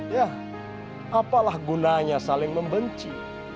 ya apalah gunanya saling membenci